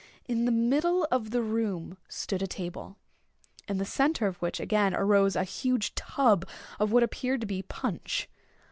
In the middle of the room stood a table—in the centre of which again arose a huge tub of what appeared to be punch.